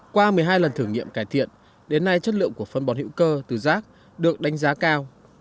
qua một mươi hai lần thử nghiệm cải thiện đến nay chất lượng của phân bón hữu cơ từ rác được đánh giá cao